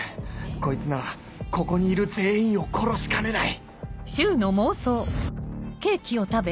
こいつならここにいる全員を殺しかねない！